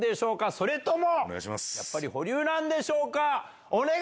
それともやっぱり保留なんでしょうか。